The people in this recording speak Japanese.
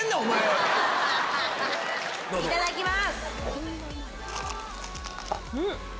いただきます。